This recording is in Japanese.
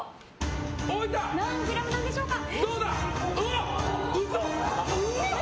何グラムなんでしょうか？